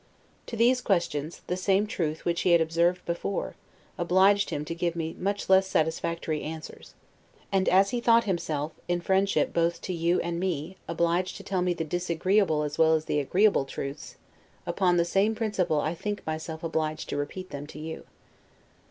To these questions, the same truth which he had observed before, obliged him to give me much less satisfactory answers. And as he thought himself, in friendship both to you and me, obliged to tell me the disagreeable as well as the agreeable truths, upon the same principle I think myself obliged to repeat them to you.